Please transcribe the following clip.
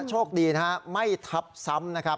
โชคดีนะฮะไม่ทับซ้ำนะครับ